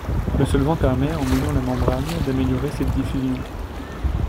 Le solvant permet en mouillant la membrane d’améliorer cette diffusion.